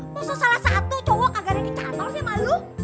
masuk salah satu cowok kagak lagi cantor sih sama lo